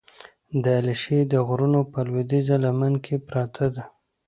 د علیشې د غرونو په لودیځه لمن کې پرته ده،